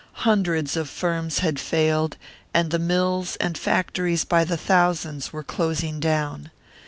Hundreds of firms had failed, and the mills and factories by the thousands were closing down.